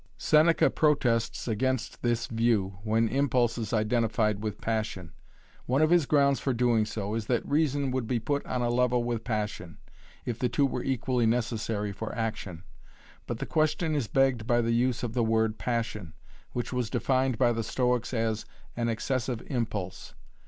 Seneca protests against this view, when impulse is identified with passion. One of his grounds for doing so is that reason would be put on a level with passion, if the two were equally necessary for action. But the question is begged by the use of the word 'passion,' which was defined by the Stoics as 'an excessive impulse.'